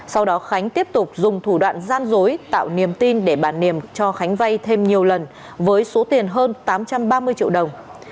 sau đó khánh tiếp tục dùng thủ đoạn gian dối tạo niềm tin để bà niềm cho khánh vay thêm nhiều lần với số tiền hơn tám trăm ba mươi triệu đồng